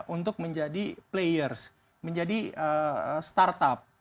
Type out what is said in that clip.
untuk menjadi players menjadi start up